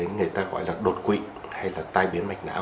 người ta gọi là đột quỵ hay là tai biến mạch não